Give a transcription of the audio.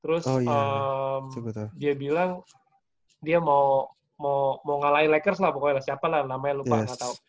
terus dia bilang dia mau ngalain lakers lah pokoknya lah siapa lah namanya lupa gak tau